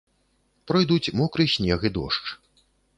Пройдуць мокры снег і дождж.